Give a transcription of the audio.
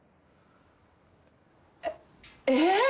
えっええっ？